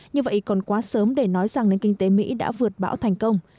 như vậy còn quá sớm để nói rằng nền kinh tế mỹ đã vượt bão thành công